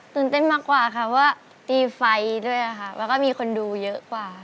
ตื่นเต้นมากว่าค่ะว่ามีไฟด้วยค่ะแล้วก็มีคนดูเยอะกว่า